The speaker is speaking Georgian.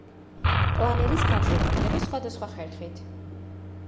პლანერის გაშვება ხდება სხვადასხვა ხერხით.